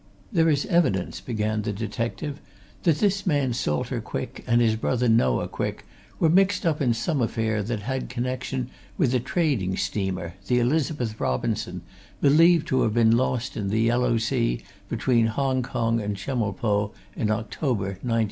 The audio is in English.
"There is evidence," began the detective, "that this man Salter Quick, and his brother Noah Quick, were mixed up in some affair that had connection with a trading steamer, the Elizabeth Robinson, believed to have been lost in the Yellow Sea, between Hong Kong and Chemulpo, in October 1907.